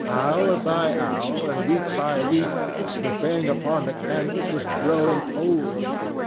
Hour by hour, and week by week, the thing upon the canvas was growing old.